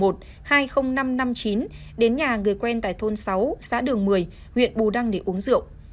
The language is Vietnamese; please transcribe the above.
hai mươi nghìn năm trăm năm mươi chín đến nhà người quen tại thôn sáu xã đường một mươi huyện bù đăng để uống rượu